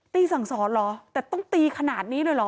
สั่งสอนเหรอแต่ต้องตีขนาดนี้เลยเหรอ